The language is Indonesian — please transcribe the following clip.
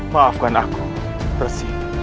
maafkan aku rasih